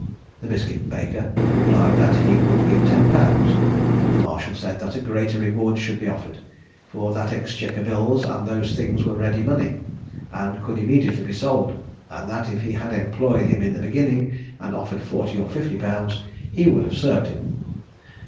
The biscuit baker replied that he would give ten pounds, but the marshal said that a greater reward should be offered, for that exchequer bills and those things were ready money, and could immediately be sold; and that if he had employed him in the beginning, and offered forty or fifty pounds, he would have served him.